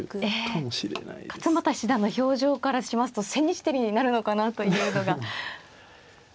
勝又七段の表情からしますと千日手になるのかなというのが。